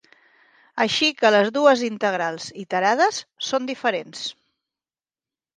Així que les dues integrals iterades són diferents.